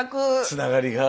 つながりが。